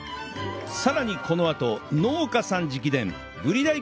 さらにこのあと農家さん直伝ブリ